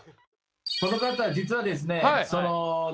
この方実はですね。